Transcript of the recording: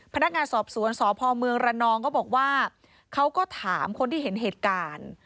พนักงานสอบสวนสพเมืองระนองก็บอกว่าเขาก็ถามคนที่เห็นเหตุการณ์